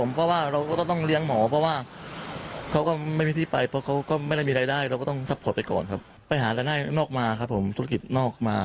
ไม่นอกมาครับผมธุรกิจนอกมา